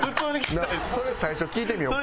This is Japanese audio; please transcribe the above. それを最初聞いてみようか。